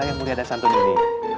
yang mulia dasar dunia